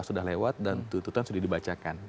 sudah lewat dan tuntutan sudah dibacakan